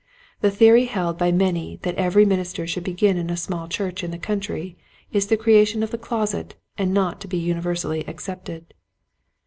The theory held by many that every minister should begin in a small church in the country is the creation of the closet and not to be universally ac cepted.